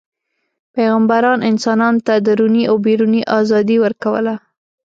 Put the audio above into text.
پیغمبران انسانانو ته دروني او بیروني ازادي ورکوله.